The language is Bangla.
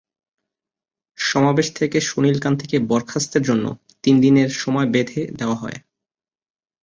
সমাবেশ থেকে সুনীল কান্তিকে বরখাস্তের জন্য তিন দিনের সময় বেঁধে দেওয়া হয়।